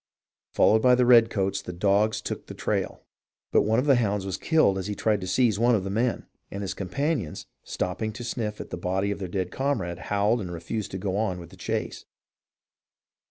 Followed by the redcoats the dogs took the trail, but one of the hounds was killed as he tried to seize one of the men, and his companions, stopping to sniff at the body of their dead comrade, howled and refused to go on with the chase.